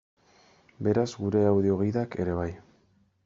Beraz, gure audio-gidak ere bai.